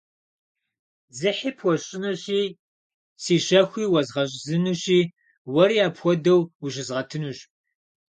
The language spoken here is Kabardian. Дзыхьи пхуэсщӏынущи, си щэхуи уэзгъэзынущи, уэри апхуэдэу ущызгъэтынущ.